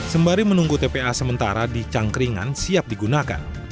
sembari menunggu tpa sementara di cangkringan siap digunakan